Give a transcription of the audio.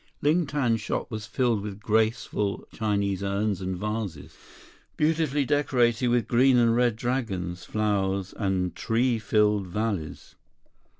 Ling Tang's shop was filled with graceful Chinese urns and vases, beautifully decorated with green and red dragons, flowers, and tree filled valleys.